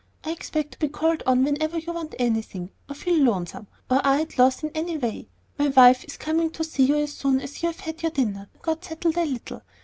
I expect to be called on whenever you want anything, or feel lonesome, or are at a loss in any way. My wife is coming to see you as soon as you have had your dinner and got settled a little.